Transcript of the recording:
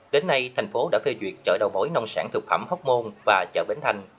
đến nay thành phố đã phê duyệt chợ đầu mối nông sản thực phẩm hóc môn và chợ bến thành